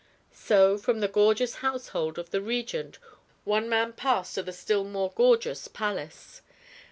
So from the gorgeous household of the Regent one man passed to the still more gorgeous palace.